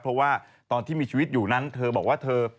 เพราะว่าตอนที่มีชีวิตอยู่นั้นเธอบอกว่าเธอ